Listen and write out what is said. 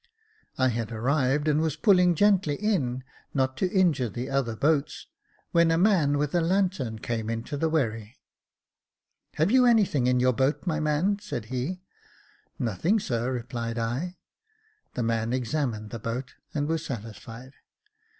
I had arrived, and was pulling gently in, not to injure the other boats, when a man with a lantern came into the wherry. " Have you anything in your boat, my man ?" said he. " Nothing, sir," replied I. The man examined the boat, and was satisfied.